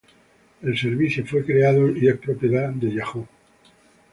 El servicio fue creado y es propiedad de Yahoo!.